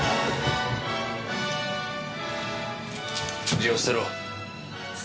銃を捨てろ。